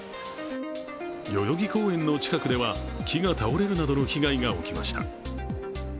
代々木公園の近くでは木が倒れるなどの被害が起きました。